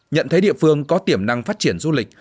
nhận thấy địa phương có tiềm năng phát triển du lịch